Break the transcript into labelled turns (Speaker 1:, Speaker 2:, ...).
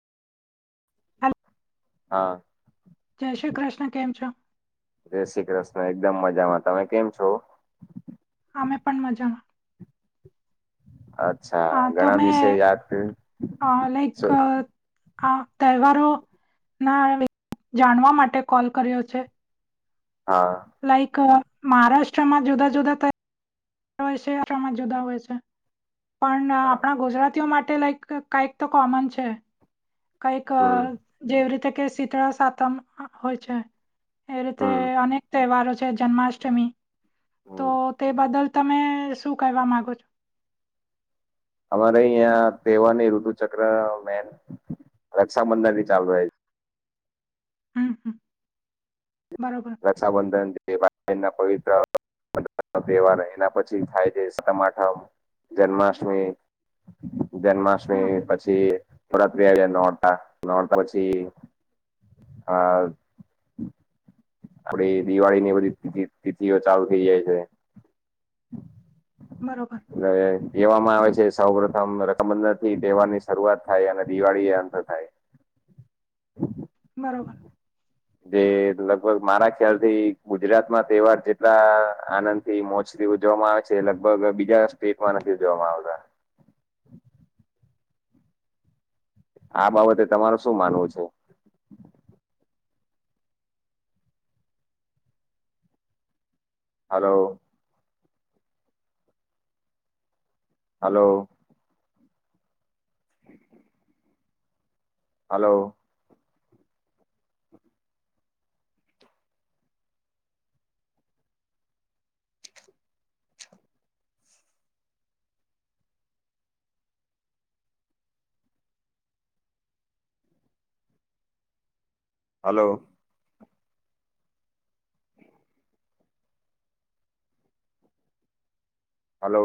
Speaker 1: હ [inaudible]
Speaker 2: હા
Speaker 1: જય શ્રી કૃષ્ણ કેમ છો.
Speaker 2: જય શ્રી કૃષ્ણ એકદમ મજામાં તમે કેમ છો.
Speaker 1: અમે પણ મજામા
Speaker 2: અચ્છા
Speaker 1: હા તો
Speaker 2: ઘણા દિવસે
Speaker 1: મેં
Speaker 2: યાદ કર
Speaker 1: અ લાઈક
Speaker 2: [unintelligible]
Speaker 1: આ તહેવારો ના [unintelligible] જાણવા માટે કોલ કર્યો છે
Speaker 2: હા
Speaker 1: લાઈક મહારાષ્ટ્રમાં જુદા જુદા ત. હોય છે [unintelligible] જુદા હોય છે પણ
Speaker 2: બરાબર.
Speaker 1: આપણા ગુજરાતીઓ માટે લાઈક. કઈક તો કોમન છે. કઈક
Speaker 2: હમ
Speaker 1: જેવી રીતે કે શીતળા સાતમ હોય છે. એવી રીતે
Speaker 2: હમ
Speaker 1: અનેક તહેવારો છે જન્માષ્ટમી તો
Speaker 2: હમ
Speaker 1: તે બદલ. તમે શું કહેવા માંગો છો.
Speaker 2: અમારે અહં તહેવાર ની ઋતુ ચક્ર મેન રક્ષાબંધન થી ચાલુ થાય.
Speaker 1: હમ હમ [inaudible] બરોબર.
Speaker 2: છે રક્ષાબંધન જે ભાઈ બન ના પવિત્ર [unintelligible] બધા [unintelligible] તહેવાર એના પછી થાય છે સાતમ આઠમ જન્માષ્ટમી. [unintelligible]
Speaker 1: હા,
Speaker 2: જન્માષ્ટમી પછી. થોડાત્રી [unintelligible] આવી્યા નતા નતા પછી આ. આપડી દિવાળી ની બધી [unintelligible] તિથિઓ ચાલુ થઈ જાય છે.
Speaker 1: બરોબર.
Speaker 2: કહેવામાં આવે છે સૌ પ્રથમ રકમ બંદાથી તહેવાર ની શરૂઆત થાય અને દિવાળી એ અંત થાય.
Speaker 1: બરોબર.
Speaker 2: જે લગભગ મારા ખ્યાલ થી ગુજરાતમાં તહેવાર જેટલા આનંદ. [unintelligible] મોજ થી ઉજવામાં આવે છે લગભગ બીજા સ્ટેટમાં નથી ઉજવામાં આવતા. આ બાબતે તમાર શું માનવું છે. હલો. હલો. હલો. હલો.